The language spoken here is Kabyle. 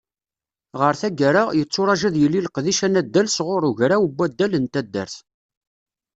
Ɣer taggara, yetturaǧu ad yili leqdic anaddal sɣur Ugraw n waddal n taddart.